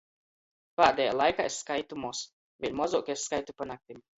Pādejā laikā es skaitu moz, vēļ mozuok es skaitu pa naktim.